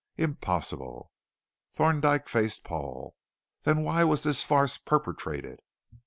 "Impossible." Thorndyke faced Paul. "Then why was this farce perpetrated?"